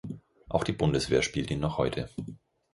Auch die Bundeswehr spielt ihn noch heute.